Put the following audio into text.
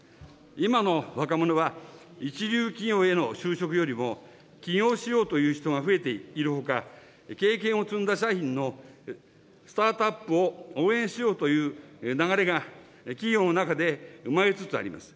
今の若者は、一流企業への就職よりも、起業しようという人が増えているほか、経験を積んだ社員のスタートアップを応援しようという流れが、企業の中で生まれつつあります。